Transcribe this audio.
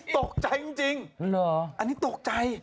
ตกใจจริงอันนี้ตกใจ